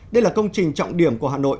đây là công trình trọng điểm của hà nội